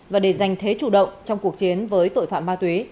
và để giành thế chủ động trong cuộc chiến với tội phạm ma túy